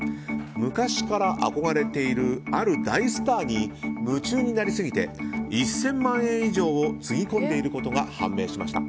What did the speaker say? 昔から憧れているある大スターに夢中になりすぎて１０００万円以上をつぎ込んでいることが判明しました。